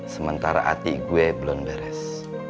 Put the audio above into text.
sementara hati gua belom beres